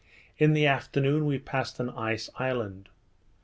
In the afternoon, we passed an ice island.